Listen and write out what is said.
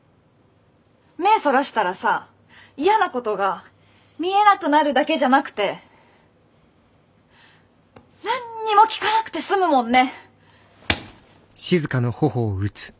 目そらしたらさ嫌なことが見えなくなるだけじゃなくて何にも聞かなくてすむもんね！